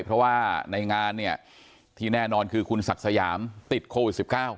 เพราะว่าในงานเนี่ยที่แน่นอนคือคุณศักดิ์สยามติดโควิด๑๙